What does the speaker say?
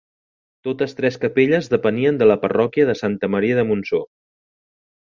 Totes tres capelles depenien de la parròquia de Santa Maria de Montsor.